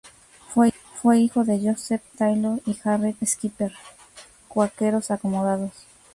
Fue hijo de Joseph Tylor y Harriet Skipper, cuáqueros acomodados.